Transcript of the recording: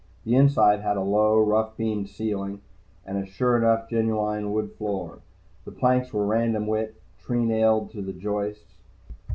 The inside had a low, rough beamed ceiling, and a sure enough genuine wood floor. The planks were random width, tree nailed to the joists.